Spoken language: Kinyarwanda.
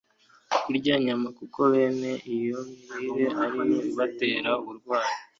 kurya inyama kuko bene iyo mirire ari yo ibatera uburwayi